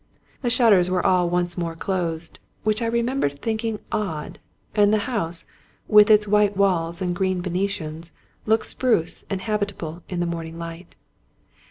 The shutters were all once more closed, which I remember thinking odd ; and the house, with its white walls and green Venetians, looked spruce and habitable in the morning light.